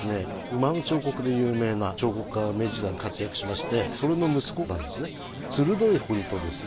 馬の彫刻で有名な彫刻家明治時代に活躍しましてそれの息子なんですね。